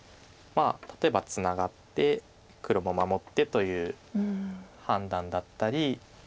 例えばツナがって黒も守ってという判断だったり。